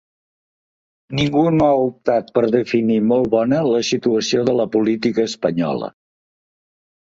Ningú no ha optat per definir molt bona la situació de la política espanyola.